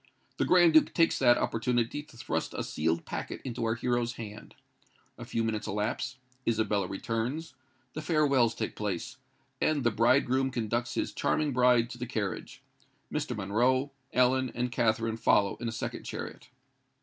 The Grand Duke takes that opportunity to thrust a sealed packet into our hero's hand. A few minutes elapse—Isabella returns—the farewells take place—and the bridegroom conducts his charming bride to the carriage. Mr. Monroe, Ellen, and Katherine follow in a second chariot.